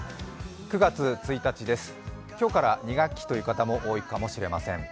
９月１日です、今日から２学期という方も多いかもしれません。